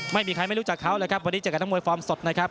ไม่มีใครไม่รู้จักเขาเลยครับวันนี้เจอกับนักมวยฟอร์มสดนะครับ